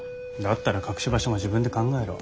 だったら隠し場所も自分で考えろ。